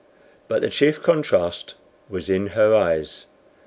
But the chief contrast was in her eyes.